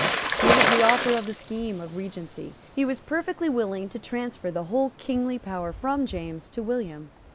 He was the author of the scheme of Regency. He was perfectly willing to transfer the whole kingly power from James to William.